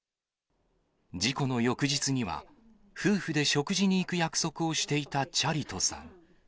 事故の翌日には、夫婦で食事に行く約束をしていたチャリトさん。